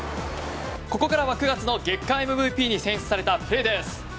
ここからは９月の月間ＭＶＰに選出されたプレーです。